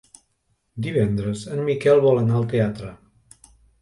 Divendres en Miquel vol anar al teatre.